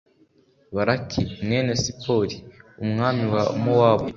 balaki, mwene sipori, umwami wa mowabu